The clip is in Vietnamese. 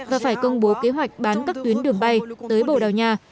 và phải công bố kế hoạch bán các tuyến đường bay tới bồ đào nha